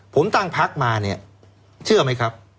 ผมตั้งพักมาเนี่ยเชื่อไหมครับ